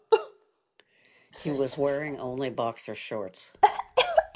He was wearing only boxer shorts.